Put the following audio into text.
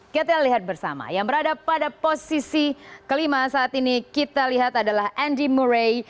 kita lihat bersama yang berada pada posisi kelima saat ini kita lihat adalah andy murai